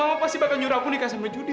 oh pasti bakal nyuruh aku nikah sama judi